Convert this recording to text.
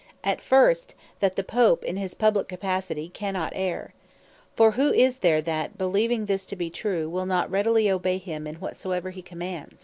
As first, that the Pope In His Publique Capacity Cannot Erre. For who is there, that beleeving this to be true, will not readily obey him in whatsoever he commands?